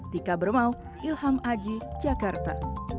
tika bermau ilham aji jakarta